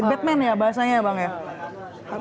batman ya bahasanya ya bang ya